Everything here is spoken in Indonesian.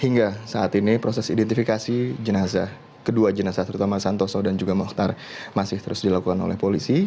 hingga saat ini proses identifikasi jenazah kedua jenazah terutama santoso dan juga mohtar masih terus dilakukan oleh polisi